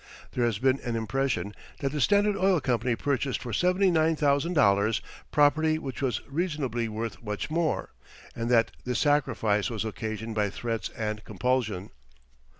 There has been an impression that the Standard Oil Company purchased for $79,000 property which was reasonably worth much more, and that this sacrifice was occasioned by threats and compulsion.